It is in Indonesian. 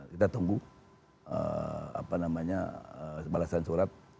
kita tunggu apa namanya balasan surat